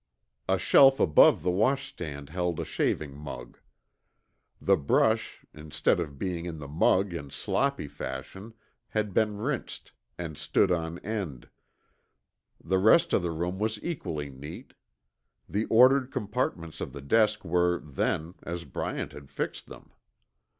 A shelf above the washstand held a shaving mug. The brush, instead of being in the mug in sloppy fashion, had been rinsed, and stood on end. The rest of the room was equally neat. The ordered compartments of the desk were, then, as Bryant had fixed them.